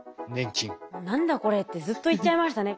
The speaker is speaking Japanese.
「何だこれ」ってずっと言っちゃいましたね。